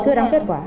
chưa đóng kết quả